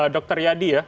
dr yadi ya